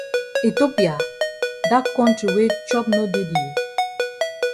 Ethiopia! Dat kontri wey chop no dey dey?